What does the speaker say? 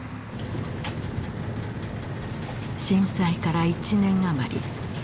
震災から１年余り。